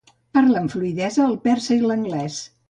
Parla amb fluïdesa el persa i l'anglès.